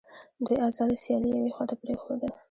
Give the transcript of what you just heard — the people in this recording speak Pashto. دوی آزاده سیالي یوې خواته پرېښوده